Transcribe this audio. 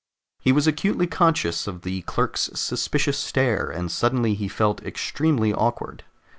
He was acutely conscious of the clerk's suspicious stare, and suddenly he felt extremely awkward.